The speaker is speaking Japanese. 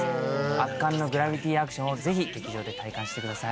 圧巻のグラビティ・アクションをぜひ劇場で体感してください。